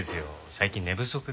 最近寝不足で。